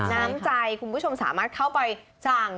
น้ำใจคุณผู้ชมสามารถเข้าไปสั่ง